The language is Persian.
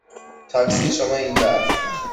تاکسی شما اینجا است.